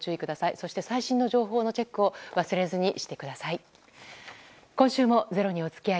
そして最新の情報のチェックを忘れずにしてください。